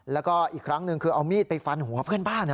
แล้วก็อีกครั้งหนึ่งคือเอามีดไปฟันหัวเพื่อนบ้าน